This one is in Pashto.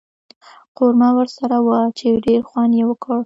قورمه ورسره وه چې ډېر خوند یې وکړ.